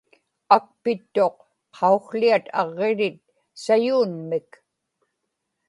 akpittuq qaukłiat aġġirit sayuunmik